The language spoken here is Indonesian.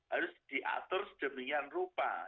harus diatur sedemikian rupa